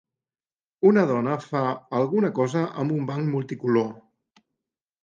Una dona fa alguna cosa amb un banc multicolor.